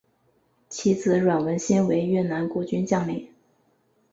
其子阮文馨为越南国军将领。